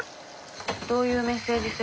どういうメッセージ性？